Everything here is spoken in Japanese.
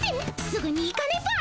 すぐに行かねば！